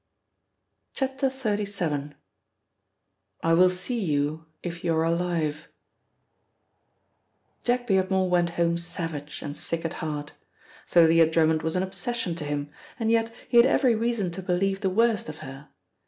XXXVII. — "I WILL SEE YOU IF YOU ARE ALIVE" JACK BEARDMORE went home savage and sick at heart. Thalia Drummond was an obsession to him, and yet he had every reason to believe the worst of her.